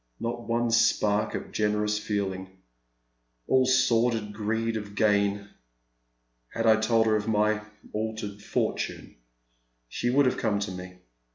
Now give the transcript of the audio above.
" Not one spark of generous feeling — all sordid freed of gain. Had I told her of my altered fortunes she would ave come to me.